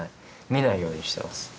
見ないようにしてます。